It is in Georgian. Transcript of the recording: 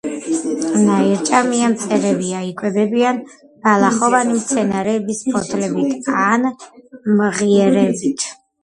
ნაირჭამია მწერებია, იკვებებიან ბალახოვანი მცენარეების ფოთლებით ან მღიერებით.